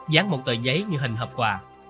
dán một tờ giấy như hình hộp quà